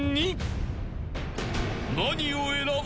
［何を選ぶ？］